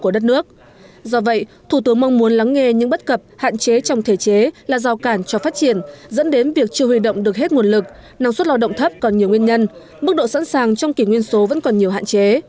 do vậy thủ tướng mong muốn lắng nghe những bất cập hạn chế trong thể chế là giao cản cho phát triển dẫn đến việc chưa huy động được hết nguồn lực năng suất lao động thấp còn nhiều nguyên nhân mức độ sẵn sàng trong kỷ nguyên số vẫn còn nhiều hạn chế